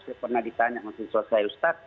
saya pernah ditanya sama ustadz